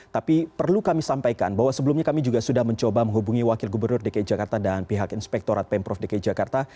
tapi perlu kami sampaikan bahwa sebelumnya kami juga sudah mencoba menghubungi wakil gubernur dki jakarta dan pihak inspektorat pemprov dki jakarta